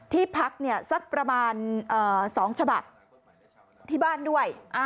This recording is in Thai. ที่พักสักประมาณ๒ฉบับที่บ้านด้วย